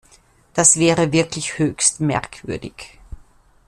Das wäre wirklich höchst merkwürdig.